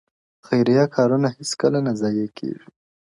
خيريه کارونه هيڅکله نه ضايع کيږي.